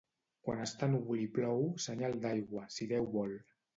Quan està núvol i plou, senyal d'aigua, si Déu vol.